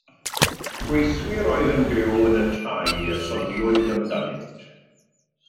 Gweithwyr oedd yn byw yn y tai y soniwyd amdanynt.